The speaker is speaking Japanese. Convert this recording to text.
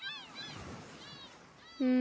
うん。